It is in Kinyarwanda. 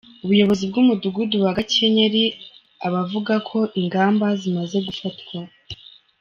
Ubuyobozi bw’umudugudu wa Gakenyeri A buvuga ko ingamba zimaze gufatwa .